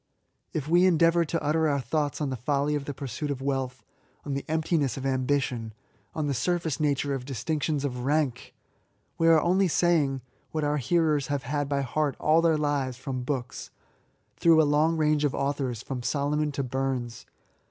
If we endeavour to utter our thoughts on the folly of the pursuit of wealth, on the emptiness of ambition,, on the sur face nature of distinctions of rank, &c. we are only saying what our hearers have had by heart all their lives^ from books,— through a long range of authors, from Solomon to Burns.